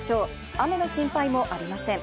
雨の心配もありません。